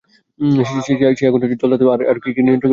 সে আগুন, জল, ধাতু আর কী কী নিয়ন্ত্রণ করতে পারে খোদাই জানে!